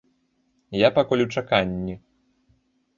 Я пакуль у чаканні.